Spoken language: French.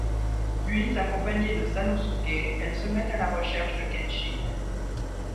Puis accompagnée de Sanosuké elle se met à la recherche de Kenshin.